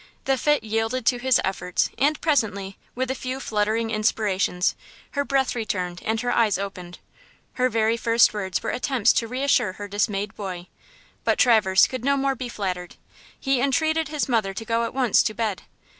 The fit yielded to his efforts, and presently, with a few fluttering inspirations, her breath returned and her eyes opened. Her very first words were attempts to reassure her dismayed boy. But Traverse could no more be flattered. He entreated his mother to go at once to bed.